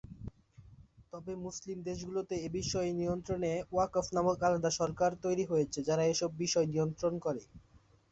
তবে মুসলিম দেশগুলোতে এ বিষয়ে নিয়ন্ত্রণে ওয়াকফ নামক আলাদা সরকারি তৈরি হয়েছে যারা এসব বিষয় নিয়ন্ত্রণ করে।